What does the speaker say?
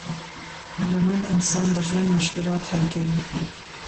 هیله مند انسان د ژوند مشکلات حل کوي.